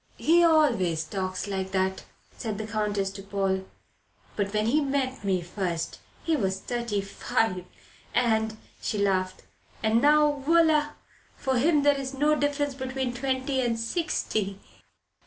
"He always talks like that," said the Countess to Paul; "but when he met me first he was thirty five and" she laughed "and now voila for him there is no difference between twenty and sixty.